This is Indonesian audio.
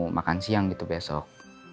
makan siang gitu besok